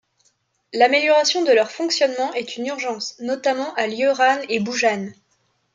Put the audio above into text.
L'amélioration de leur fonctionnement est une urgence, notamment à Lieuran et Boujan.